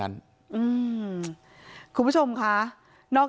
ทรัพย์สินที่เป็นของฝ่ายหญิง